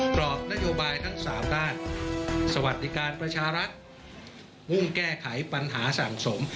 กรอบนโยบายทั้ง๓ด้านสวัสดิการประชารัฐมุ่งแก้ไขปัญหาสั่งสม